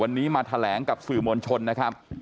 วันนี้มาแถลงกับสื่อมวลชนนะครับ